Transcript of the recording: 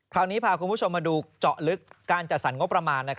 คราวนี้พาคุณผู้ชมมาดูเจาะลึกการจัดสรรงบประมาณ